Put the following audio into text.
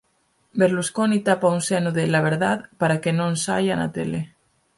Berlusconi tapa un seno de "La Verdad" para que non saia na tele